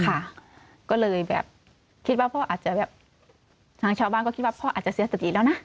ก็เลยแบบคิดว่าพ่ออาจจะแบบทางชาวบ้านก็คิดว่าพ่ออาจจะเสียสติแล้วนะ